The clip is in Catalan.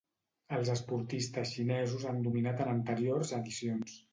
Els esportistes xinesos han dominat en anteriors edicions.